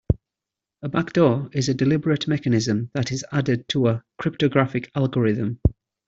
A backdoor is a deliberate mechanism that is added to a cryptographic algorithm.